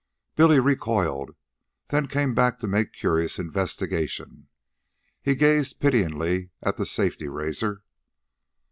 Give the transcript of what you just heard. Billy recoiled, then came back to make curious investigation. He gazed pityingly at the safety razor.